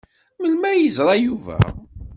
Melmi ay yeẓra Yuba?